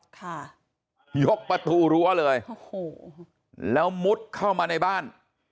ค่ะยกประตูรั้วเลยโอ้โหแล้วมุดเข้ามาในบ้าน